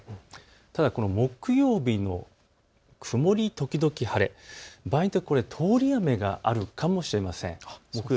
ただ木曜日の曇り時々晴れ、通り雨があるかもしれません。